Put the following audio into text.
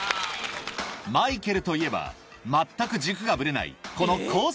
マイケルといえば全く軸がブレないこの高速ターン